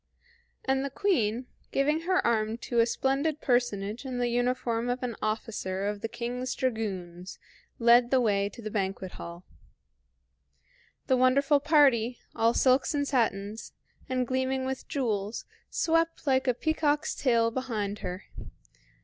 And the Queen, giving her arm to a splendid personage in the uniform of an officer of the King's dragoons, led the way to the banquet hall. The wonderful party, all silks and satins, and gleaming with jewels, swept like a peacock's tail behind her.